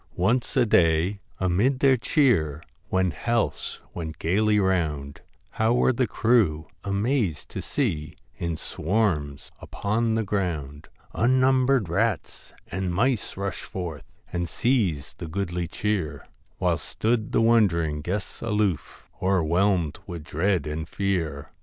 Once on a day, amid their cheer, When healths went gaily round, How were the crew amazed to see, In swarms upon the ground, Unnumbered rats and mice rush forth And seize the goodly cheer, While stood the wond'ring guests aloof, Overwhelmed with dread and fear.